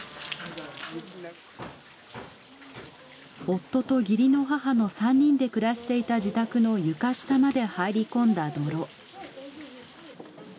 夫と義理の母の３人で暮らしていた自宅の床下まで入り込んだ泥。